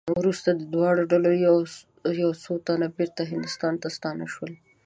وروسته د دواړو ډلو یو څو تنه بېرته هند ته ستانه شول.